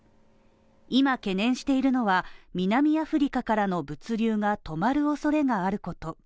今懸念しているのは、南アフリカからの物流が止まるおそれがあること。